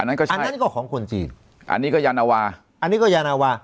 นั่นก็ใช่อันนี้ก็ของคนจีนอันนี้ก็ยานาวาอันนี้ก็ยานาวา